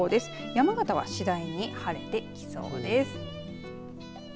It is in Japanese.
山形は次第に晴れてきそうです。